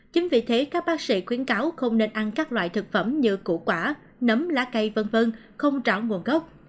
chính vì thế các bác sĩ khuyến cáo không nên ăn các loại thực phẩm như củ quả nấm lá cây v v không trỏng nguồn gốc